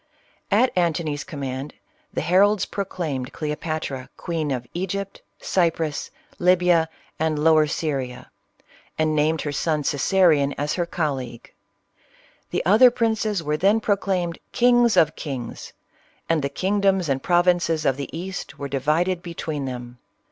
At Antony's command, the heralds proclaimed Cleo patra, queen of Egypt, Cyprus, Libya, and Lower Syria, and named her son Caesarion as her colleague. The other princes were then proclaimed " kings of kings ;" and the kingdoms and provinces of the East were divided between them.